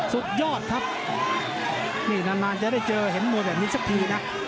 สุดยอดครับนี่นานจะได้เจอเห็นมวยแบบนี้สักทีนะ